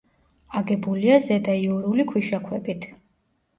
აგებულია ზედაიურული ქვიშაქვებით.